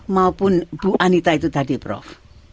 maupun bu anita itu tadi prof